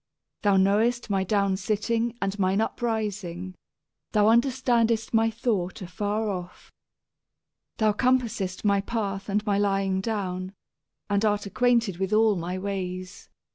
Thou knowest my downsitting and mine uprising; thou understandest my thought afar off. Thou searchest out my path and my lying down, and art ac quainted with all my ways.